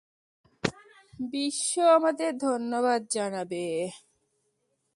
বিশ্ব আমাদের ধন্যবাদ জানাবে।